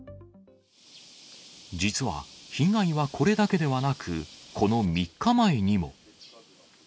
実は被害はこれだけではなく、この３日前にも。